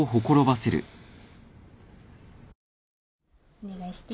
お願いしていい？